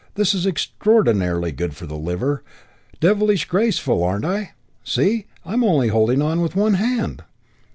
This is extraordinarily good for the liver. Devilish graceful, aren't I? See, I'm only holding on with one hand!